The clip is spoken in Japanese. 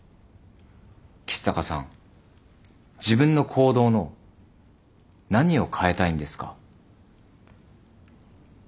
橘高さん自分の行動の何を変えたいんですか？